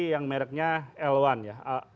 yang mereknya l satu ya